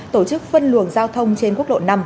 tổ chức phân luồng giao thông trên quốc lộ năm